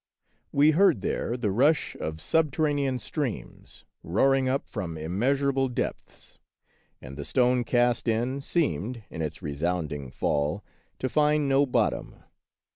We heard there the rush of subterranean streams roaring up from immeasur able depths, and the stone cast in seemed, in its resounding fall, to find no bottom.